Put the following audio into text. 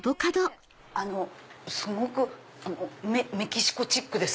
すごくメキシコチックです。